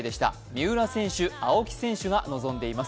三浦選手、青木選手が臨んでいます。